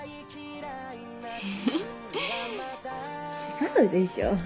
え違うでしょ。